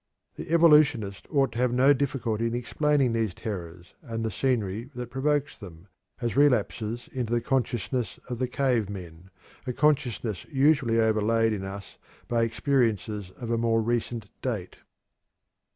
The evolutionist ought to have no difficulty in explaining these terrors, and the scenery that provokes them, as relapses into the consciousness of the cave men, a consciousness usually overlaid in us by experiences of a more recent date."